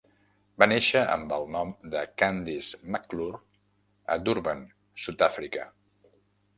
Va néixer amb el nom de Candice McClure a Durban, Sud-àfrica.